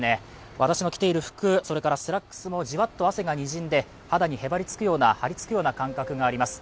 私の着ている服、それからスラックスもじわっと汗がにじんで、肌にへばりつくような張りつくような感覚があります。